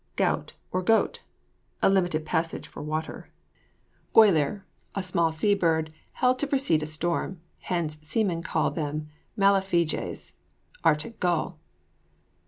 GOWT, OR GOTE. A limited passage for water. GOYLIR. A small sea bird held to precede a storm; hence seamen call them malifiges. Arctic gull.